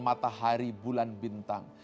matahari bulan bintang